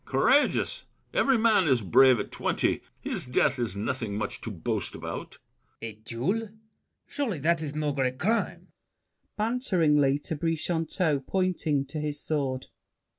Courageous! Every man is brave at twenty; His death is nothing much to boast about. LAFFEMAS. A duel! Surely, that is no great crime. [Banteringly to Brichanteau, pointing to his sword.